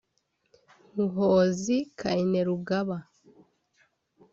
Muhoozi Kainerugaba